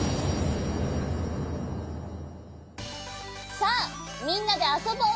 さあみんなであそぼう。